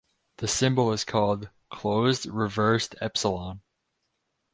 The symbol is called "closed reversed epsilon".